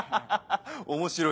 面白いね。